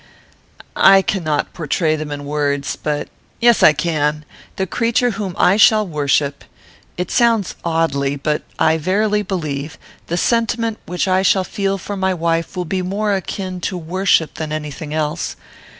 "I cannot portray them in words but yes, I can: The creature whom I shall worship: it sounds oddly, but, I verily believe, the sentiment which I shall feel for my wife will be more akin to worship than any thing else.